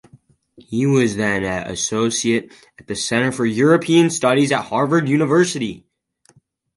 He was then an associate at the Center for European Studies at Harvard University.